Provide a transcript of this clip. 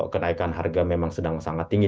kenaikan harga memang sedang sangat tinggi